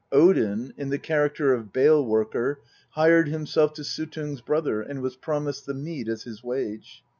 Odin, in the character of Bale worker, hired himself to Suttung's brother, and was promised the mead as his wage.